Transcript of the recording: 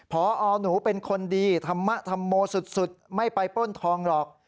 พอหนูเป็นคนดีธรรมธรรโมสุดไม่ไปปล้นทองหรอก